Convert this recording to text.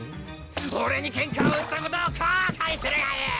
オレにけんかを売ったことを後悔するがいい！